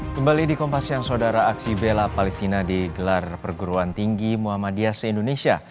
kembali di kompas yang saudara aksi bela palestina digelar perguruan tinggi muhammadiyah se indonesia